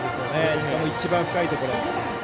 しかも、一番深いところ。